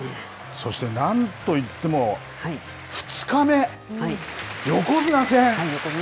そしてなんといっても２日目、横綱戦。